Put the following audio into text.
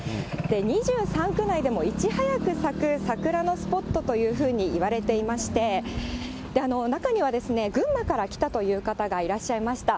２３区内でもいち早く咲く桜のスポットというふうにいわれていまして、中には群馬から来たという方がいらっしゃいました。